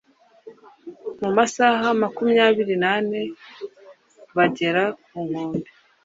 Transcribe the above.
Mu masaha makumyabiri nane bagera ku nkombe